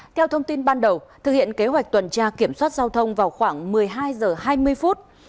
theo thông tin ban đầu thực hiện kế hoạch tuần tra kiểm soát giao thông vào khoảng một mươi hai h hai mươi phút